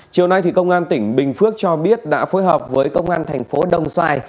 chiều nay công an tỉnh bình phước cho biết đã phối hợp với công an thành phố đồng xoài